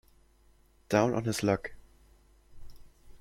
Down on his luck.